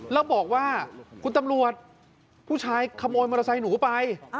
แล้วบอกว่าคุณตำรวจผู้ชายขโมยมอเตอร์ไซค์หนูไป